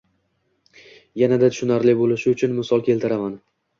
Yanada tushunarli bo‘lishi uchun misol keltiraman.